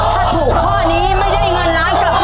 ถ้าถูกข้อนี้ไม่ได้เงินล้านกลับไป